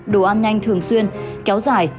đồ ăn nhanh thường xuyên kéo dài